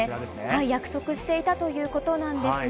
約束していたということなんですね。